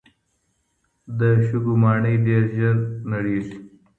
د شګو ماڼۍ ډېر ژر نړېږي.